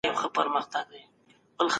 احمد شاه بابا ولي بېرته کندهار ته راستون سو؟